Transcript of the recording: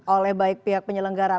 oleh baik pihak penyelenggara